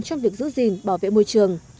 trong việc giữ gìn bảo vệ môi trường